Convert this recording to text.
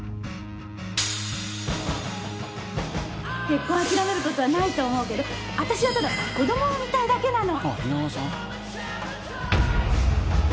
結婚を諦めることはないと思うけど私はただ子供を産みたいだけなの。